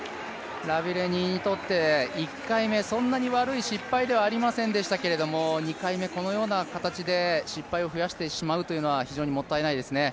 ラビレニにとって１回目そんなに悪い失敗ではありませんでしたけれども２回目、このような形で失敗を増やしてしまうというのは非常にもったいないですね。